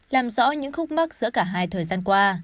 làm rõ những khúc mắt giữa cả hai thời gian qua